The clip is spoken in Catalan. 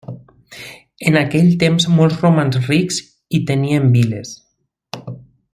En aquell temps molts romans rics i tenien viles.